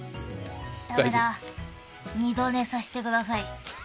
駄目だ、二度寝させてください。